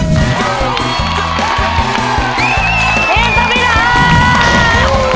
ทีมสมีระ